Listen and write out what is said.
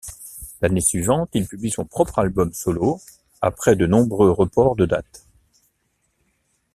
L'année suivante, il publie son propre album solo après de nombreux reports de date.